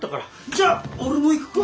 じゃ俺も行くか！